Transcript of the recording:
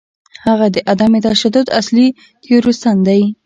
هغه د عدم تشدد اصلي تیوریسن دی.